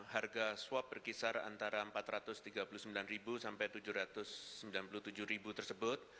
harga swab berkisar antara rp empat ratus tiga puluh sembilan sampai rp tujuh ratus sembilan puluh tujuh tersebut